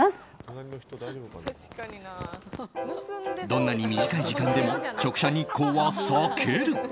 どんなに短い時間でも直射日光は避ける。